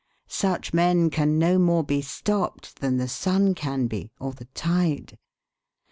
Such men can no more be stopped than the sun can be, or the tide.